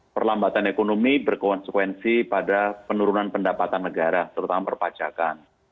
perlambatan ekonomi berkonsekuensi pada penurunan pendapatan negara terutama perpajakan